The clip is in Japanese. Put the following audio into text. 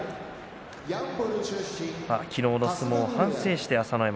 昨日の相撲を反省した朝乃山